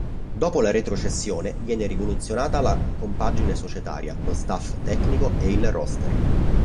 Dopo la retrocessione viene rivoluzionata la compagine societaria, lo staff tecnico e il roster.